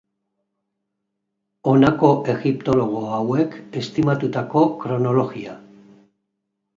Honako egiptologo hauek estimatutako kronologia.